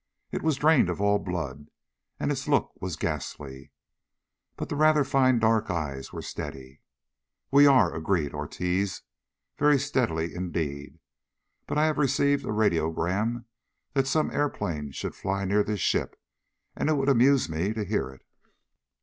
It was drained of all blood, and its look was ghastly. But the rather fine dark eyes were steady. "We are," agreed Ortiz, very steadily indeed, "but I I have received a radiogram that some airplane should fly near this ship, and it would amuse me to hear it."